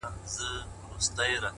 زوی په يوه ورځ نه ملا کېږي.